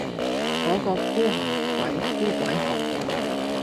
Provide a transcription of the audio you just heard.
果個孤寒鬼孤鬼寒